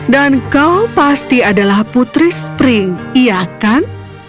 dan kau pasti adalah putri spring iya kan